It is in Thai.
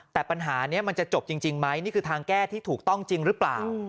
แต่ปัญหานี้มันจะจบจริงไหมนี่คือทางแก้ที่ถูกต้องจริงหรือเปล่า